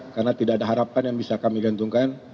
karena tidak ada harapan yang bisa kami gantungkan